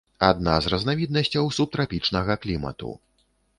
Адна з разнавіднасцяў субтрапічнага клімату.